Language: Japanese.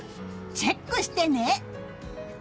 チェックしてね！